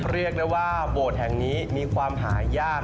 เรียกได้ว่าโบสถ์แห่งนี้มีความหายาก